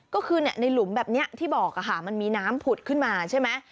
ก็คือในหลุมแบบนี้ที่บอกมันมีน้ำผุดขึ้นมาใช่ไหม